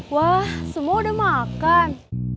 wah semua udah makan